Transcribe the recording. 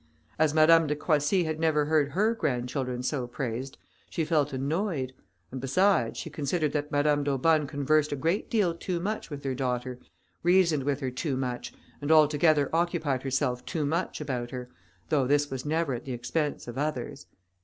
As Madame de Croissy had never heard her grandchildren so praised, she felt annoyed; and, besides, she considered that Madame d'Aubonne conversed a great deal too much with her daughter, reasoned with her too much, and altogether occupied herself too much about her, though this was never at the expense of others.